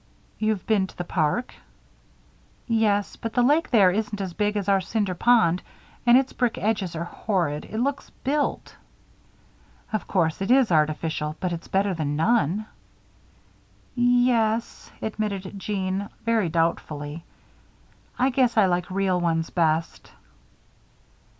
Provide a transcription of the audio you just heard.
"You've been to the park?" "Yes, but the lake there isn't as big as our Cinder Pond, and its brick edges are horrid. It looks built." "Of course it is artificial; but it's better than none." "Ye es," admitted Jeanne, very doubtfully. "I guess I like real ones best."